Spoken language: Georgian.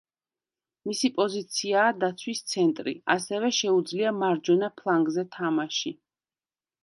მისი პოზიციაა დაცვის ცენტრი, ასევე შეუძლია მარჯვენა ფლანგზე თამაში.